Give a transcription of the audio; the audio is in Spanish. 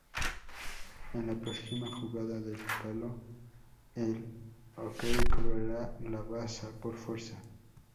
En la próxima jugada del palo el ♥K cobrará la baza, por fuerza.